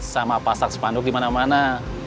sama pasak spanduk di mana mana